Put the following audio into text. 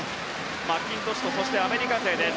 マッキントッシュとそしてアメリカ勢です。